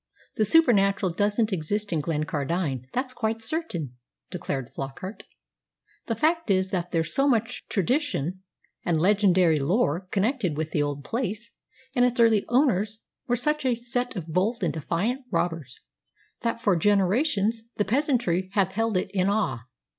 The supernatural doesn't exist in Glencardine, that's quite certain," declared Flockart. "The fact is that there's so much tradition and legendary lore connected with the old place, and its early owners were such a set of bold and defiant robbers, that for generations the peasantry have held it in awe.